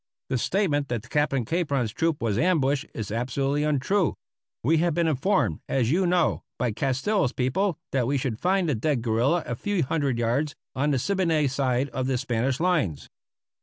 The statement that Captain Capron's troop was ambushed is absolutely untrue. We had been informed, as you know, by Castillo's people that we should find the dead guerilla a few hundred yards on the Siboney side of the Spanish lines."